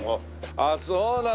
ああそうなの。